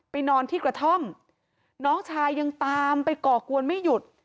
นอนที่กระท่อมน้องชายยังตามไปก่อกวนไม่หยุด